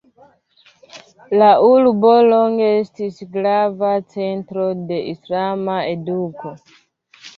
La urbo longe estis grava centro de islama eduko.